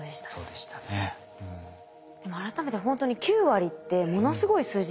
でも改めてほんとに９割ってものすごい数字ですよね。